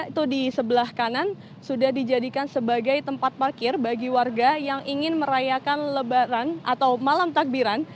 itu di sebelah kanan sudah dijadikan sebagai tempat parkir bagi warga yang ingin merayakan lebaran atau malam takbiran